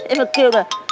em kêu kìa